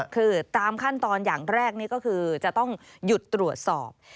คือตามขั้นตอนอย่างแรกนี่ก็คือจะต้องหยุดตรวจสอบ